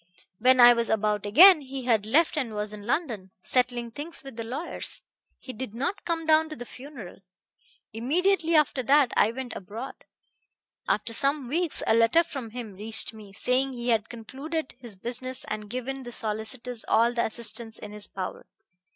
When I was about again he had left and was in London, settling things with the lawyers. He did not come down to the funeral. Immediately after that I went abroad. After some weeks a letter from him reached me, saying he had concluded his business and given the solicitors all the assistance in his power.